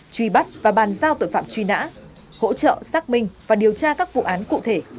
truy bắt và bàn giao tội phạm truy nã hỗ trợ xác minh và điều tra các vụ án cụ thể